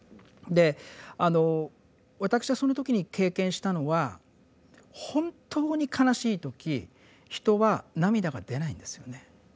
であの私はその時に経験したのは本当に悲しい時人は涙が出ないんですよね。